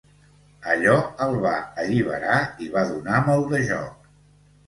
Allò el va alliberar i va donar molt de joc.